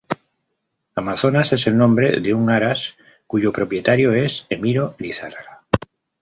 Amazonas es el nombre de un haras, cuyo propietario es Emiro Lizárraga.